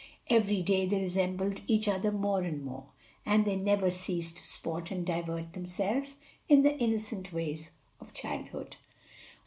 Every day they resembled each other more and more, and they never ceased to sport and divert themselves in the innocent ways of childhood.